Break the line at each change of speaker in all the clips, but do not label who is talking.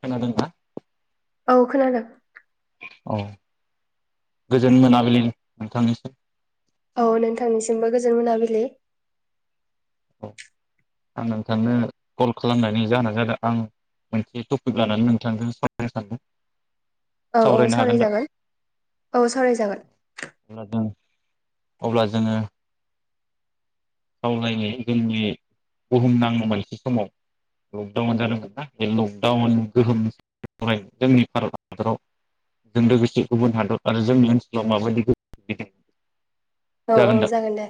खोनादोंना?
औ खोनादों।
औ गोजोन मोनाबिलि नोंथांनिसिम
औ नोंथांनिसिमबो गोजोन मोनाबिलि।
औ आं नोंथांनो कल खालामनानै जोना जादों आं मोनसे टपिक लानानै नोंथांखौ सावरायनो सानदों।
औ औ
सावरायनो
सावराय
हागोन दा
जागोन औ सावराय जागोन।
अब्ला जों अब्ला जोङो खावलायनाय जोंनि बुहुम नाङै मोनसे समाव लकडाउन जादोंमोन ना बे लकडाउन गोहोम जोंनि भारत हादराव जों लोगोसे गुबुन हादर आरो जोंनि ओनसोलाव माबादि गोहोम [unintelligible]
औ औ जागोन दे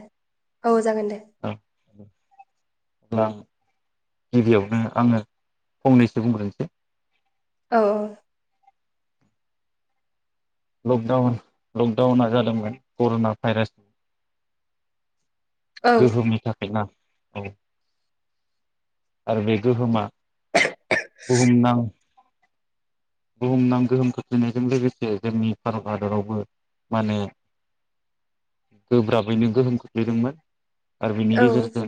औ जागोन दे।
औ। लां। गिबियावनो आङो फंनैसो बुंग्रोनोसै।
औ औ।
लकडाउन लकडाउना जादोंमोन कर'ना भाइरासनि
औ
गोहोमनि थाखाय ना? औ। आरो बे गोहोमा बुहुमनां बुहुमनां गोहोम खोख्लैनायजों लोगोसे जोंनि भारत हादरावबो माने गोब्राबैनो गोहोम खोख्लैदोंमोन। दा बिनि
औ
गेजेरजों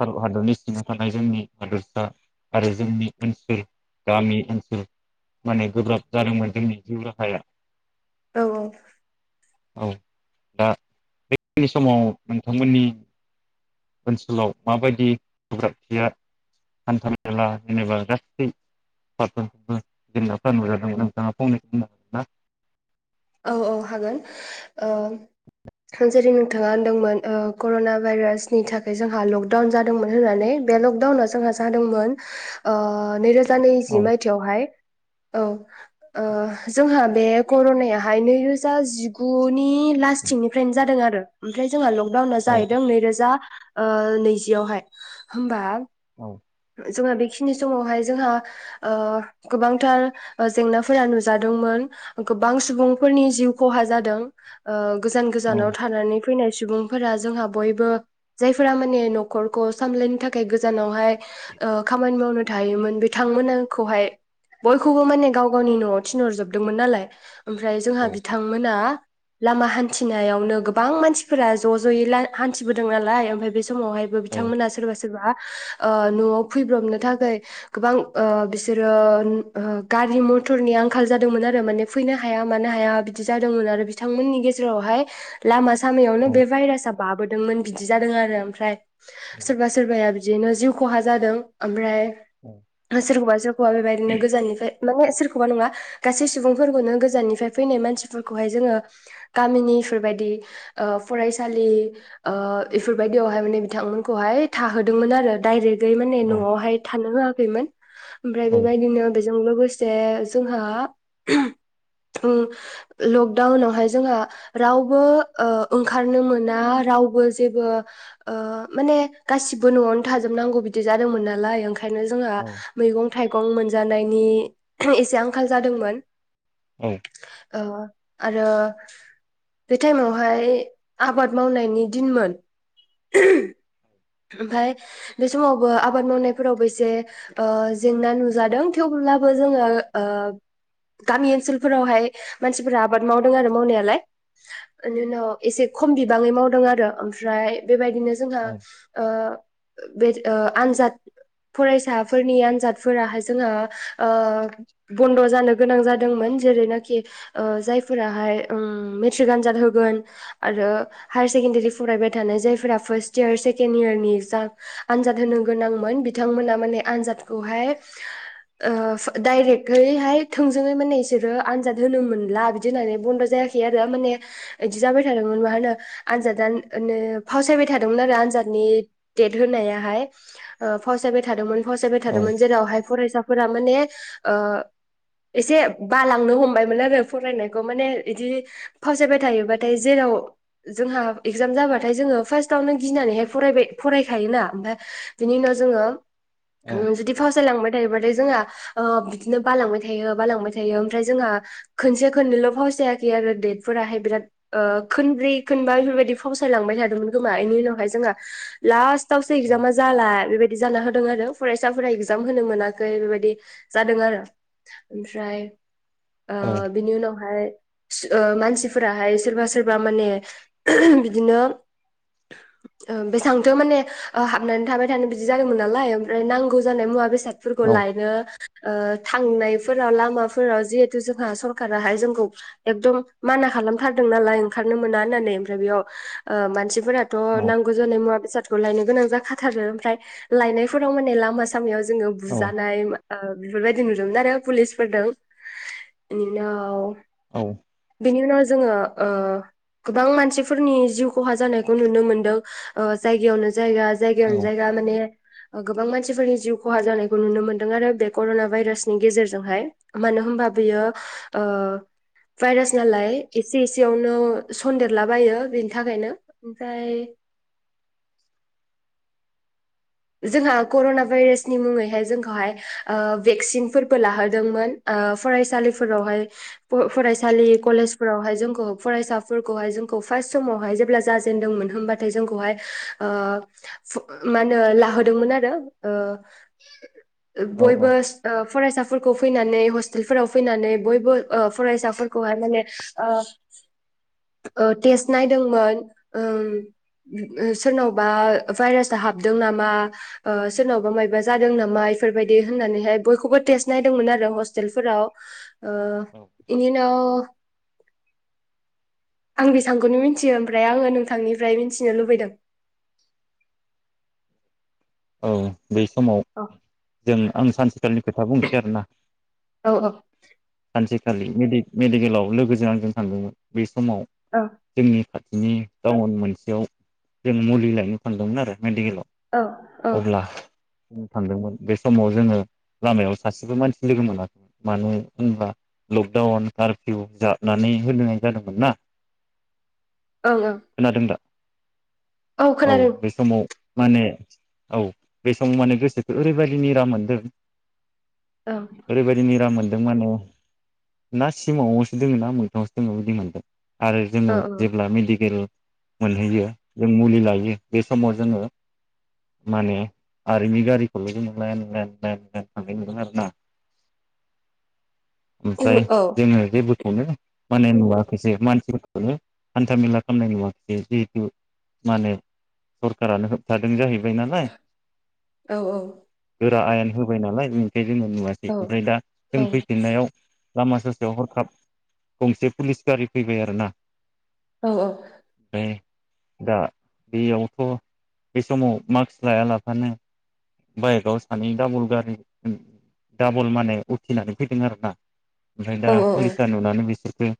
भारत हादरनि सिङाव थानाय जोंनि हादरसा आरो जोंनि ओनसोल गामि ओनसोल माने गोब्राब जादोंमोन जोंनि जिउ राहाया।
औ औ।
औ दा बेखिनि समाव नोंथांमोननि ओनसोलाव माबायदि गोब्राबथिया हान्था-मेला जेनेबा गासै [unintelligible] जेंनाफ्रा नुजादोंमोन नोंथाङा फंनै बुंनो हागोन ना?
औ औ हागोन। ओ जेरै नों थाङा होनदोंमोन ओ कर'ना भाइरासनि थाखाय जोंहा लकडाउन जादोंमोन होननानै बे लकडाउना जोंहा जादोंमोन अ नैरोजा नैजि
औ
मायथायावहाय। औ ओ जोंहा बे कर'नाया हाय नै रोजा जिगु नि लासथिंनिफ्रायनो जादों आरो। ओ ओमफ्राय जो जोंहा लकडाउना
औ
जाहैदों नै रोजा ओ नैजियावहाय होमबा
औ।
जोंहा बेखिनि समावहाय जोंहा ओ गोबांथार ओ जेंनाफोरा नुजादोंमोन गोबां सुबुं फोरनि जिउ खहा जादों ओ गोजान
औ
गोजानाव थानानै फैनाय सुबुंफोरा जोंहा बयबो जायफोरा माने न'खरखौ सामलायनो थाखाय गोजानावहाय ओ खामानि मावनो थायोमोन बिथांमोनाखौहाय बयखौबो माने गाव गावनि न'आव थिनहरजोबदोंमोन नालाय ओम ओमफ्राय जोंहा
औ
बिथांमोना लामा हान्थिनायावनो गोबां मानसिफोरा ज' ज'यै ला हान्थिबोदों नालाय ओमफ्राय बे समावहायबो बिथांमोना सोरबा सो सोरबा ओ न'आव फैब्रबनो थाखोय गोबां ओ बिसोरो ओ गारि मथ'रनि आंखाल जादोंमोन आरो माने फैनो हाया मानो हाया बिदि जादोंमोन आरो बिथांमोननि गेजेरावहाय लामा
औ
हामैयावनो बे भाइरासआ बाबोदोंमोन बिदि जादों आरो ओमफ्राय सोरबा सोरबाया बि दिनो जिउ खहा जादों ओमफ्राय ओ सोरखौबा हौवा बेबायदिनो गोजाननिफ्राय माने सोरखौबा नङा गासै सुबुंफोरखौनो गो जाननिफ्राय फैनाय मानसिफोरखौहाय जोङो गामिनि इफोरबायदि ओ फरायसालि ओ इफोरबायदियावहाय माने बिथांमोनखौहाय थाहोदोंमोन आरो दाइरेक रै माने
औ
न'आवहाय थानो होआ खैमोन। ओमफ्राय बेबायदिनो बे जों लोगोसे जोंहा उम लकदाउनावहाय जोंहा रावबो ओ ओंखारनो मोना रावबो जेबो ओ माने गासिबो न'आवनो थाजोबनांगौ बिदि जादोंमोन नालाय ओंखा खायनो जोंहा
औ
मैगं थाइगं मोनजानायनि एसे आंखाल जादोंमोन।
औ।
ओ आरो बे टाइमावहाय आबाद मावनायनि दिनमोन। ओमफाय बे समावबो आबाद मावनायफोरावबो एसे ओ जेंना नुजादों थेवब्लाबो जोङो ओ गामि ओनसोलफोरावहाय मानसिफोरा आबाद मावदों आरो मावनायालाय बेनि उनाव एसे खम बिबाङै मावदों आरो ओमफ्राय बेबाय दिनो जोंहा ओ बेद ओ आनजाद फरायसाफोरनि आनजादफोराहाय जोंहा ओ बन्द' जानो गोनां जादोंमोन जेरैनाखि ओ जायफोराहाय ओम मेट्रिक आनजाद होगोन आरो हायार सेकेणडारि फरायबाय थानाय जायफोरा फार्स्ट इयार से केणड इयारनि जाम आनजाद होनो गोनांमोन बिथांमोना माने आनजादखौहाय ओ डाइरेक्टैहाय थोंजोङै माने इसोरो आनजाद होनो मोनला बिदि होननानै बन्द' जायाखै आरो माने बिदि जाबाय थादोंमोन मा होनो आनजादा नो फावसायबाय थादोंमोन आरो आजाद नि देट होननायाहाय ओ फावसायबाय थादोंमोन। फावसायबाय थादोंमोन जेरावहाय फरायसा फोरा माने ओ एसे बालांनो हमबायमोन आरो फरायनायखौ माने बिदि फावसायबाय थायोबाथाय जेराव जोंहा इगजाम जाबाथाय जोङो फार्स्टावनो गिनानैहाय फरायबाय फरायखायोना ओमफ्राय बिनि उनाव जोङो जुदि फावसाय लांबाय थायोबाथाय जोंहा ओ बिदिनो बालांबाय थायो बालांबाय थायो ओमफ्राय जोंहा खनसे खननैल' फावसायाखै आरो डेटफोराहाय बिराद ओ खनब्रै खनबा इफोरबायदि फावसायलांबाय थादोंमोन खोमा इनि उनावहाय जोंहा लास्ट दावस एक्जामा जाला बेबाय दि जाना होदों आरो फरायसाफोरा इगजाम होनो मोनाखै बेबायदि जादों आरो ओमफ्राय ओ बिनि उनावहाय ओ मानसिफोराहाय सोरबा सोरबा माने बिदिनो ओ बेसेबांथो माने हाबनानै थाबाय थानो बिदि जादोंमोन नालाय ओमफ्राय नांगौ जानाय मुवा बेसाद फोरखौ लायनो ओ थांनायफोराव लामाफोराव जिहेथु जोंहा सरखाराहाय जोंखौ एकदम माना खालामथारदों नालाय ओंखारनो मोना होननानै ओमफ्राय बेयाव ओ मानसिफोरा थ नां नाय मुवा बेसादखौ लायनो गोनां जाखा थारो ओमफाय लायनाय फोराव‌ माने लामा सामा‌याव जोङो बुजानाय ओ बेफोरबायदि नुदोंमोन आरो पुलिसफोरदों इनि उनाव बेनि उनाव जोङोओ गोबां मानसिफोरनि जिउ खहा जानायखौ नुनो मोनदों। ओ जायगायावनो जायगा जायगायावनो
औ
जायगा माने गोबां मानसिफोरनि जिउ खहा जानायखौ नुनो मोनदों आरो बे कर'ना भाइरासनि गेजेरजोंहाय मानो होनबा बियो ओ भाइरास नालाय एसे एसेयावनो सदेरलाबायो बेनि थाखायनो ओमफ्राय जोंहा कर'ना भाइरासनि मुङैहाय जोंखौहाय ओ भेक्सिन फोरबो लाहोदोंमोन ओ फरायसालिफोरावहाय फरायसालि कलेजफोरावहाय जोंखौ फरायसाफोरखौहाय जोंखौ फार्स्ट समावहाय जेब्ला जाजेनदोंमोन होमबाथाय जोंखौहाय ओ मा होनो ला होदोंमोन आरो ओ
औ
बयबो ओ फरायसा फोरखौ फैनानै हस्टेल फोराव फैनानै बयबो ओ फरायसाफोरखौहाय माने ओ ओ टेस्ट नायदोंमोन उम सोरनावबा भाइरासा हाबदों नामा ओ सोरनावबा मायबा जादों नामा इफोरबायदि होननानैहाय बयखौबो टेस्ट नायदोंमोन आरो हस्टेलफोराव ओ इनि उनाव आं बेसेबांखौनो मिथियो ओमफ्राय आंङो नोंथांनिफ्राय मिथिनो लुबैदों
औ बै समाव
औ
जों आं सानसेखालिनि खोथा बुंसै आरोना
औ औ
सानसे खालि मेडि-मेडिकेलाव लोगोजों आंजों थांदोंमोन बे समाव
औ
जोंनि बिनि टाउन मोनसेयाव जों मुलि लायनो फानदोंमोन आरो मेडिकेलाव
औ औ
अब्ला थांदोंमोन बे समाव जोङो लामायाव सासेबो मानसि लोगो मोनाखैमोन मानो होनब्ला लकडाउन कारफिउ जाबनानै होनोनाय जादोंमोन ना
ओं ओं
खोनादों दा? औ बे समाव माने औ बे समाव माने गोसोखौ ओरै बायदि निरा मोनदों
ओं
ओरै बायदि निराम मोन दों माने ना सिमांवसो दोङो ना मोगथावसो दोङो बिदि मोनदों आरो
औ
जोङो जेब्ला मेडिकेल मोनहैयो जों मुलि लायो बे समाव जोङो माने आरमि गारिखौल' जोङो लाइन लाइन‌ लाइन‌ लाइन थांनाय नुदों आरो ना
औ
ओमफ्राय जोङो जेबोखौनो माने नुवाखैसै मानसिफोरखौनो हान्था मेला खालामनाय नुवाखैसै जिहेथु माने सरखारानो होबथादों जाहैबाय नालाय
औ
दा आयेन होबाय नालाय [unintelligible] जोङो नुवासै
औ
ओमफ्राय दा जों
औ
फैफिननायाव लामा ससेयाव हरखाब गंसे पुलिस गारि फैबाय आरोना
औ औ
ओमफ्राय दा बेयावथ' बे समाव मास्क लाया लाफानो बाइकआव सानै डाबल गारि डाबल माने उथिनानै फैदों आरोना ओमफ्राय दा
औ ओं
पुलिसा नुनानै बिसोर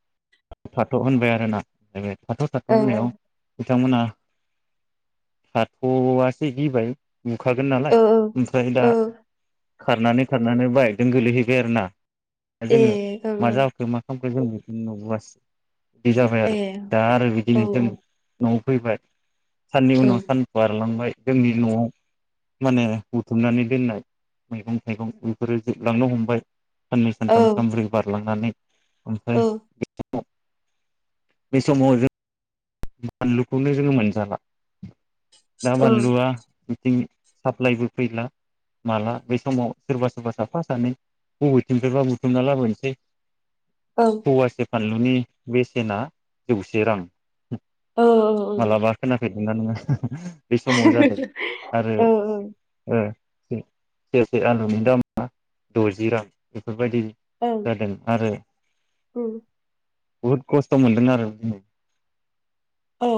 थाथ' होनबाय आरोना बे थाथ' थाथ' होननायाव
औ
बिथांमोना थाथ'बा गिबाय बुखागोन नालाय
औ
ओमफ्राय दा
औ
खारनानै खारनानै बाइकजों गोलैहैबाय आरोना
ए
जोंङो
ओं
मा
ओं
जाखो मा खालाम खौ जों बेखौनो नुबोआसै बिदि जाबाय आरो
ए
दा आरो
औ
बिदिनो जों न फैबाय साननि
औ
उनाव सान बारलांबाय जोंनि नआव माने बुथुमनानै दोननाय मैगं थाइगं बेफोरो जोबलांनो हमबाय साननै
औ
सानथाम सामब्रै बारलांनानै
औ
ओमफ्राय बे समाव जों बानलुखौनो जोंङो मोनजाला दा बानलुआ साप्लायबो फैला माला बे समाव सोरबा सोरबा साफा सानै बबेथिंफ्रायबा बुथुमना लाबोनोसै
औ
फवासे फानलुनि बेसेना जौसे रां
औ
मालाबा खोनाफेददो नोंग ना नोंङा बे समाव जादों आरो
औ
सेरसे आलुनि दामा दजि रां बे दि
ओं
जादों आरो
उम
बुहुद खस्थ मोनदों आरो
औ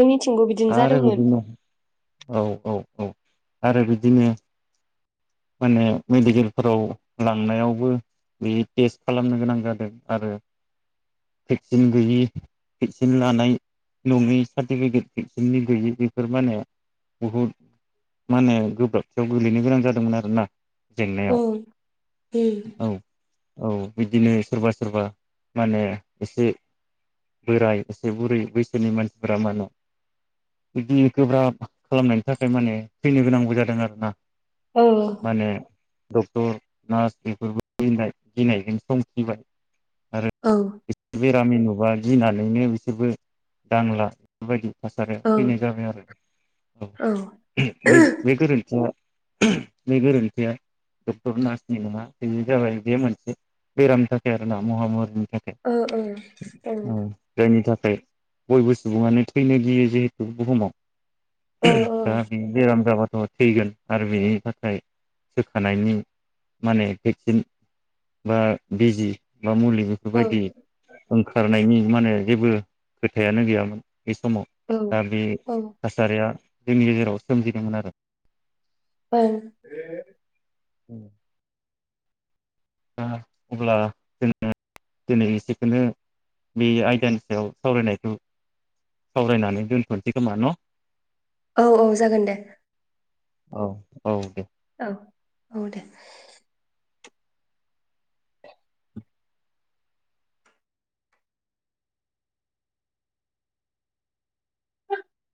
जोंनिथिंग बिदिनो
आरो
जादोंमोन
बिदिनो औ औ औ आरो बिदिनो माने मेडिकेलफोराव लांनायावबो बे टेस्ट खालामनो गोनां जादों आरो भेक्सिन गैयि भेक्सिन लानाय नङि सार्टिफिकेट भेक्सिननि गैयि बेफोर माने बहुद माने गोब्राबथियाव गोलैनो गोनां जादोंमोन आरो ना जेंनायाव
ओं उम
औ औ बिदिनो सोरबा सोरबा माने एसे बोराय एसे बुरै बैसोनि मानसिफोरा मानो बिदिनो गोब्राब खालामनायनि थाखाय माने थैनो गोनांबो जादों आरोना
औ
माने डक्टर नार्स बेफोरबो गिनाय गिनायजों संखिबाय
औ
बेरामि नुबा गिनानैनो बिसोरबो दांला बेबायदि थासारिया
औ
फैनाय जाबाय आरो औ बे बे गोरोन्थिया [inaudible] बे गोरोन्थिया डक्टर नार्सनि नङा बेयो जाबाय बे मोनसे बेरामनि थाखाय आरोना महामारिनि थाखाय
ओ ओ औ
खाय बयबो सुबुङानो थैनो गियो जिहेतु बुहुमाव
ओ
दा बि बेराम जाबा अ थैगोन आरो बेनि थाखाय सोखानायनि माने भेक्सिन बा बिजि मा मुलि
ओ
बेफोरबायदि ओंखारनायनि मानो जेबो खोथायानो गैयामोन। बै समाव
ओ
दा बे
औ
थासारिया जोंनि गेजेराव सोमजिदोंमोन आरो
ओं
उम अब्ला जोङो दिनै एसेखोनो बे आयदानि सायाव सावरायनायखौ सावरायनानै दोनथ'नोसै खोमा न'?
औ औ जागोन दे।
औ औ दे
औ औ दे।